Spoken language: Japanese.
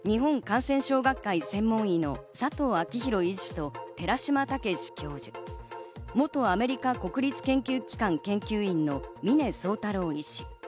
たずねたのは日本感染症学会専門医の佐藤昭裕医師と、寺嶋毅教授、元アメリカ国立研究機関研究員の峰宗太郎医師。